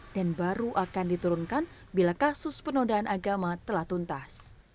dan baru akan diturunkan bila kasus penodaan agama telah tuntas